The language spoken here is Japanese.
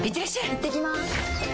いってきます！